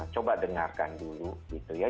coba dengarkan dulu gitu ya